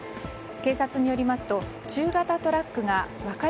警察によりますと中型トラックが分かれ